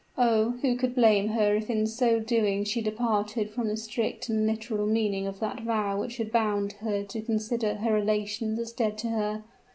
Oh! who could blame her if in so doing she departed from the strict and literal meaning of that vow which had bound her to consider her relations as dead to her?